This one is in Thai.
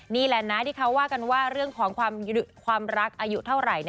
นี่แหละนะที่เขาว่ากันว่าเรื่องของความรักอายุเท่าไหร่